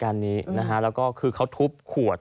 แล้วก็คือเค้าทุบขวด